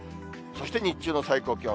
そして日中の最高気温。